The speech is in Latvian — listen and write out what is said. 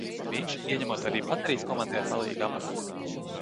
Viņš ieņemot arī baterijas komandiera palīga amatu.